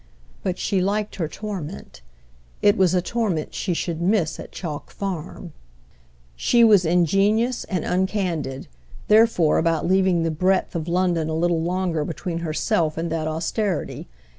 But she liked her torment; it was a torment she should miss at Chalk Farm. She was ingenious and uncandid, therefore, about leaving the breadth of London a little longer between herself and that austerity.